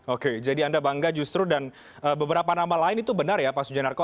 oke jadi anda bangga justru dan beberapa nama lain itu benar ya pak sujanarko